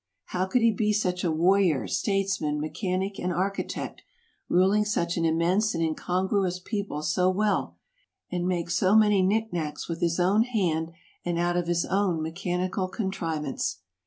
How could he be such a warrior, statesman, mechanic, and architect, rul ing such an immense and incongruous people so well, and make so many knickknacks with his own hand and out of his own mechanical contrivance